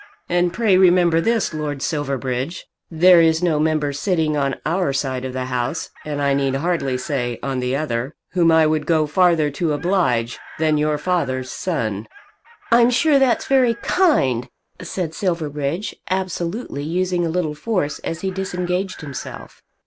And pray remember this, Lord Silverbridge; there is no member sitting on our side of the House, and I need hardly say on the other, whom I would go farther to oblige than your father's son." "I'm sure that's very kind," said Silverbridge, absolutely using a little force as he disengaged himself.